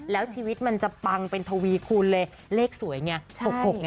แล้วชีวิตมันจะปังเป็นทวีคูณเลยเลขสวยไง๖๖ไง